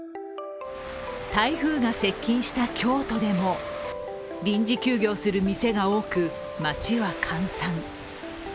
台風が接近した京都でも臨時休業する店が多く、街は閑散。